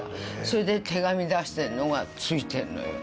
それで手紙出してんのが着いてんのよ。